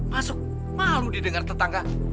masuk malu didengar tetangga